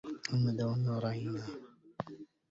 الندى والنار عيناه،